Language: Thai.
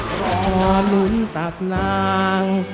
ร้อนุนตัดนาง